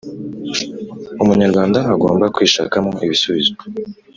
Umunyarwanda agomba kwishakamo ibisubizo